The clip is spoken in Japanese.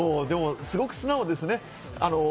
すごく素直ですね。